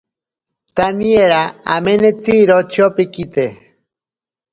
Taniera amenatsiro tyopikite.